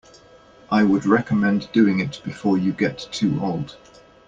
I would recommend doing it before you get too old.